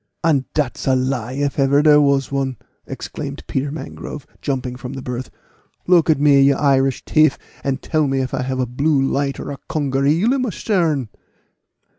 "And dat's a lie, if ever dere was one," exclaimed Peter Mangrove, jumping from the berth. "Look at me, you Irish tief, and tell me if I have a blue light or a conger eel at my stern!"